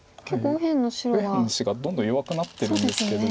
右辺の石がどんどん弱くなってるんですけど。